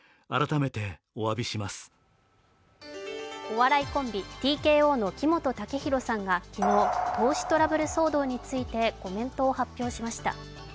お笑いコンビ、ＴＫＯの木本武宏さんが投資トラブル騒動についてコメントを発表しました。